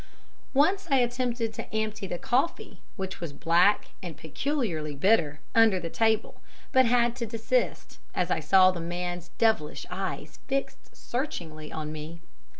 Once I attempted to empty the coffee (which was black and peculiarly bitter) under the table, but had to desist, as I saw the man's devilish eyes fixed searchingly on me.